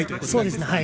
そうですね